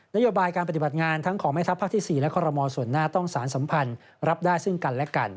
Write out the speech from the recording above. โยบายการปฏิบัติงานทั้งของแม่ทัพภาคที่๔และคอรมอลส่วนหน้าต้องสารสัมพันธ์รับได้ซึ่งกันและกัน